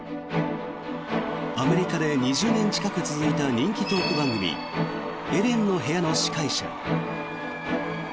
アメリカで２０年近く続いた人気トーク番組「エレンの部屋」の司会者。